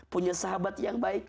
punya sahabat yang baik